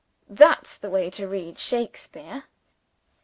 That's the way to read Shakespeare!"